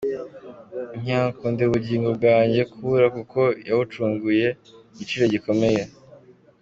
Ntiyakundira ubugingo bwanjye kubura, kuko yabucunguje igiciro gikomeye.